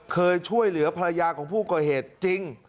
เคยช่วยเหลือภรรยาของผู้ก่อเหตุจริง